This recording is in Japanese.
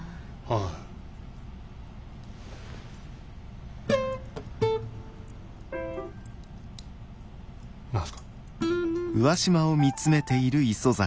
ああ。